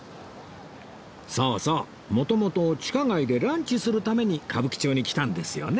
そうそう元々地下街でランチするために歌舞伎町に来たんですよね